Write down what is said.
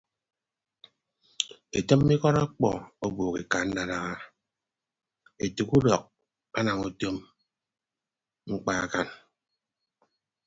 Etịmme ikọt okpo ọbuuk eka ndadaha etәk udọk anam utom mkpa akañ.